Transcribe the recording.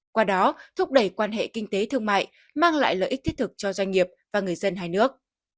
qua đó thúc đẩy quan hệ kinh tế thương mại mang lại lợi ích thiết thực cho doanh nghiệp và người dân hai nước